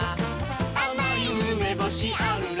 「あまいうめぼしあるらしい」